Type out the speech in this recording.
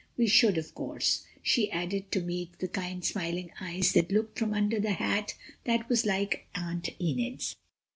"We should, of course," she added to meet the kind smiling eyes that looked from under the hat that was like Aunt Enid's.